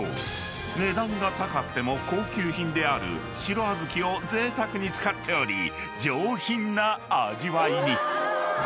［値段が高くても高級品である白小豆をぜいたくに使っており上品な味わいに］